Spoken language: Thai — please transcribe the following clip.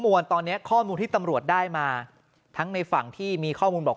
มวลตอนนี้ข้อมูลที่ตำรวจได้มาทั้งในฝั่งที่มีข้อมูลบอก